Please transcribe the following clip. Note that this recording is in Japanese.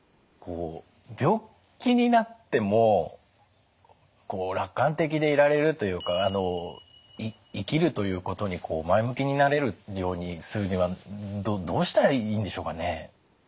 病気になっても楽観的でいられるというか生きるということに前向きになれるようにするにはどうしたらいいんでしょうかね？